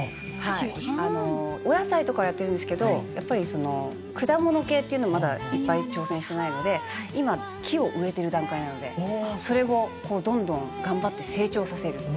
あのお野菜とかはやってるんですけどやっぱり果物系っていうのをまだいっぱい挑戦してないので今木を植えてる段階なのでそれをどんどん頑張って成長させる。